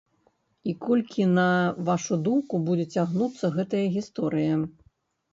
І колькі, на вашу думку, будзе цягнуцца гэтая гісторыя?